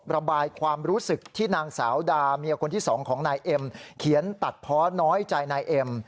ระบายความรู้สึกที่นางสาวดาเมียคนที่สองของนายเอ็มเขียนตัดเพาะน้อยใจนายเอ็ม